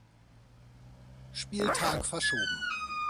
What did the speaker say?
Spieltag verschoben.